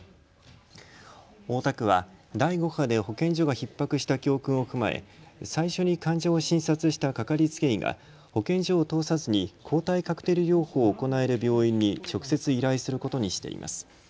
大田区は第５波で保健所がひっ迫した教訓を踏まえ最初に患者を診察したかかりつけ医が保健所を通さずに抗体カクテル療法を行える病院に直接依頼することにしています。